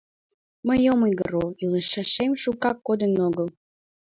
Мый ом ойгыро, илышашем шукак кодын огыл.